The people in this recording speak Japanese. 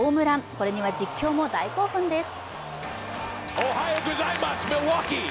これには実況も大興奮です。